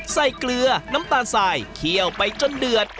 เกลือน้ำตาลสายเคี่ยวไปจนเดือด